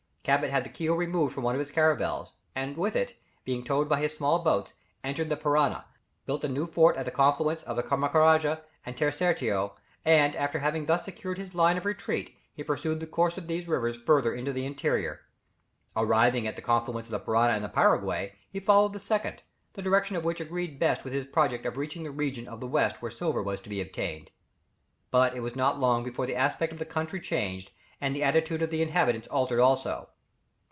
Cabot had the keel removed from one of his caravels, and with it, being towed by his small boats, entered the Parana, built a new fort at the confluence of the Carcarama and Terceiro, and after having thus secured his line of retreat he pursued the course of these rivers farther into the interior. Arriving at the confluence of the Parana and Paraguay, he followed the second, the direction of which agreed best with his project of reaching the region of the west where silver was to be obtained. But it was not long before the aspect of the country changed, and the attitude of the inhabitants altered also.